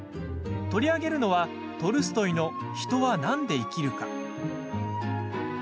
取り上げるのは、トルストイの「人は何で生きるか」。